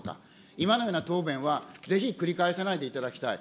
今のような答弁は、ぜひ繰り返さないでいただきたい。